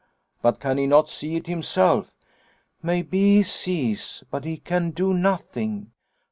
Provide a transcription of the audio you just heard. " But can he not see it himself ?'''" Maybe he sees, but he can do nothing.